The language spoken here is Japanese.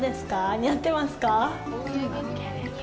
似合ってますか？